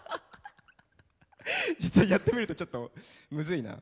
実は、やってみるとちょっとむずいな。